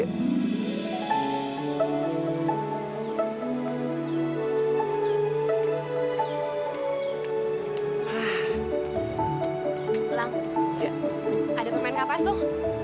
lang ada pemain kapes tuh